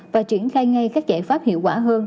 và triển khai ngay các giải pháp hiệu quả hơn